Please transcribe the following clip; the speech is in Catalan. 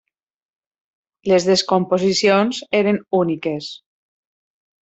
Les descomposicions eren úniques.